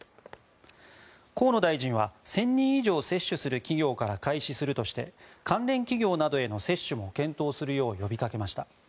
河野大臣は１０００人以上接種する企業から開始するとして関連企業などへの接種も検討するよう呼びかけました。